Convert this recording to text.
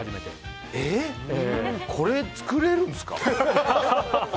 これ、作れるんですか。